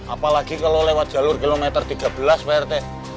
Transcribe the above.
apalagi kalau lewat jalur kilometer tiga belas pak rt